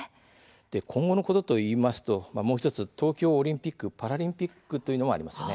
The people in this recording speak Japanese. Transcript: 今後のことといいますともう１つ東京オリンピック・パラリンピックがありますよね。